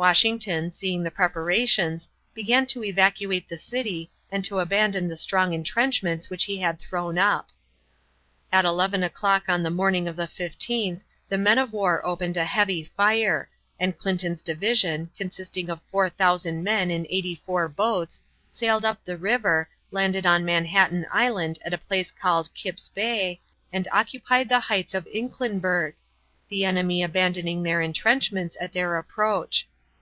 Washington, seeing the preparations, began to evacuate the city and to abandon the strong intrenchments which he had thrown up. At eleven o'clock on the morning of the 15th the men of war opened a heavy fire, and Clinton's division, consisting of 4000 men in eighty four boats, sailed up the river, landed on Manhattan Island at a place called Kipp's Bay, and occupied the heights of Inclenberg, the enemy abandoning their intrenchments at their approach.